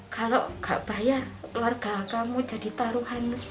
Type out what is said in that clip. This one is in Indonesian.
kalau tidak bayar warga kamu jadi taruhan